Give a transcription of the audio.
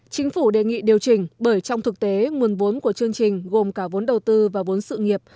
chính phủ đề nghị điều chỉnh bởi trong thực tế nguồn vốn của chương trình gồm cả vốn đầu tư và vốn sự nghiệp